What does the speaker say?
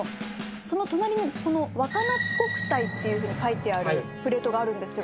その隣のこの「若夏国体」っていうふうに書いてあるプレートがあるんですが。